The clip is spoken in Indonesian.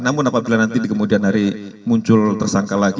namun apabila nanti di kemudian hari muncul tersangka lagi